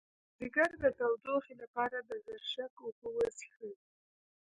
د ځیګر د تودوخې لپاره د زرشک اوبه وڅښئ